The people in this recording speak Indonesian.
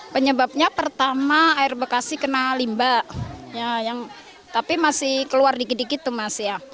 penyebabnya pertama air bekasi kena limba tapi masih keluar dikit dikit tuh mas ya